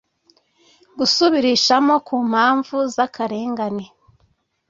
gusubirishamo ku mpamvu z akarengane